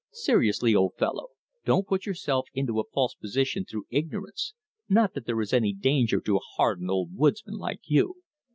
Seriously, old fellow, don't put yourself into a false position through ignorance. Not that there is any danger to a hardened old woodsman like you."